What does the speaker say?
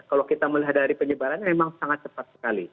kalau kita melihat dari penyebarannya memang sangat cepat sekali